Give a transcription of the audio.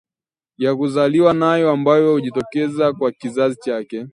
ya kuzaliwa nayo ambayo hujitokeza kwa kizazi chake